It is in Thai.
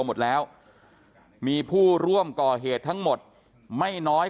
หมดแล้วมีผู้ร่วมก่อเหตุทั้งหมดไม่น้อย